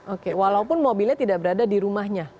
oke walaupun mobilnya tidak berada di rumahnya